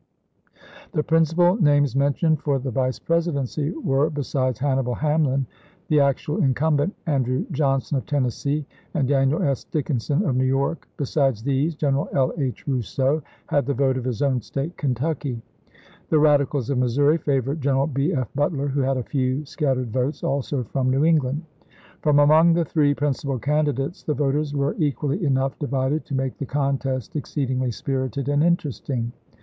The principal names mentioned for the Vice Presidency were, besides Hannibal Hamlin, the ac tual incumbent, Andrew Johnson of Tennessee, and Daniel S. Dickinson of New York; besides these General L. H. Rousseau had the vote of his own State, Kentucky. The Radicals of Missouri favored General B. F. Butler, who had a few scattered votes also from New England. But among the three principal candidates the voters were equally enough divided to make the contest exceedingly spirited and interesting.